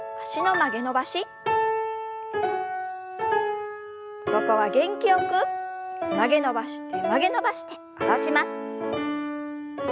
曲げ伸ばして曲げ伸ばして下ろします。